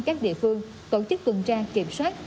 các địa phương tổ chức tuần tra kiểm soát